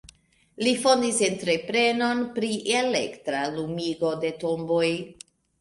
Li fondis entreprenon pri elektra lumigo de tomboj.